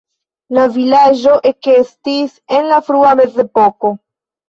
La vilaĝo ekestis en la frua Mezepoko.